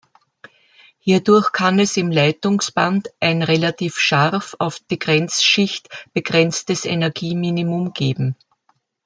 Hierdurch kann es im Leitungsband ein relativ scharf auf die Grenzschicht begrenztes Energie-Minimum geben.